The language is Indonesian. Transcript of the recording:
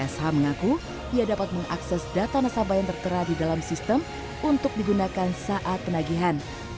sh mengaku ia dapat mengakses data nasabah yang tertera di dalam sistem untuk digunakan saat penagihan